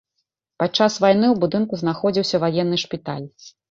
Падчас вайны ў будынку знаходзіўся ваенны шпіталь.